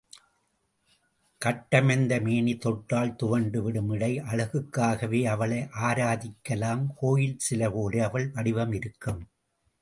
கட்டமைந்த மேனி, தொட்டால் துவண்டு விடும் இடை, அழகுக்காகவே அவளை ஆராதிக்கலாம் கோயில் சிலைபோல அவள் வடிவம் இருக்கும்.